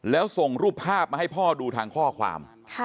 แล้วส่งรูปภาพมาให้พ่อดูทางข้อความ